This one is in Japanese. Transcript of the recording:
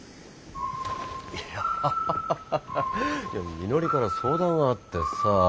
いやハハハハハみのりから相談があってさ。